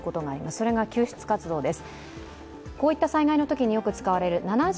それが救出活動です。